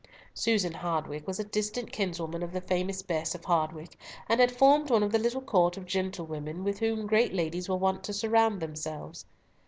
Susan Hardwicke was a distant kinswoman of the famous Bess of Hardwicke, and had formed one of the little court of gentlewomen with whom great ladies were wont to surround themselves.